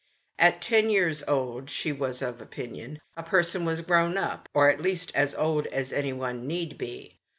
At ten years old she was of opinion a person was grown up, or at least as old as anyone should be.